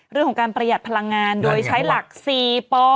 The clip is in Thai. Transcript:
เรื่องของการประหยัดพลังงานโดยใช้หลัก๔ป